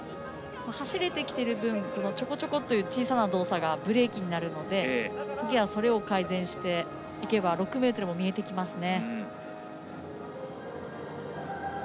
走れてきている分ちょこちょこっという小さな動作がブレーキになるので次はそれを改善していけば６ｍも見えてきますね。